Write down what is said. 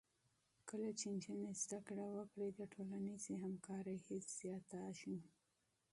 کله چې نجونې زده کړه وکړي، د ټولنیزې همکارۍ حس زیاتېږي.